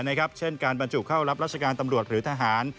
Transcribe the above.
อย่างบรรจุภาพบรรจุบเข้ารับราชการตำรวจหรือทหาร